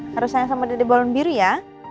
harus sayang sama dede balon biru ya